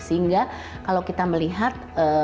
sehingga kalau kita melihat